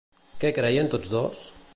Què creien tots dos?